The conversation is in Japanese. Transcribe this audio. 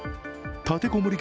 立て籠もり